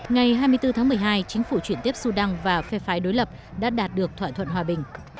ngày hai mươi bốn tháng một mươi hai chính phủ chuyển tiếp sudan và phe phái đối lập đã đạt được thỏa thuận hòa bình